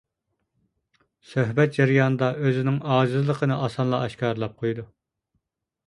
سۆھبەت جەريانىدا ئۆزىنىڭ ئاجىزلىقنى ئاسانلا ئاشكارىلاپ قويىدۇ.